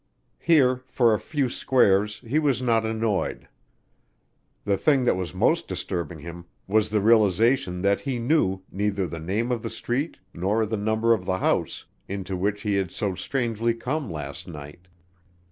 Here for a few squares he was not annoyed. The thing that was most disturbing him was the realization that he knew neither the name of the street nor the number of the house into which he had so strangely come last night.